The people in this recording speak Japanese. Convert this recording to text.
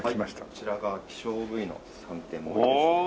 こちらが希少部位の３点盛ですね。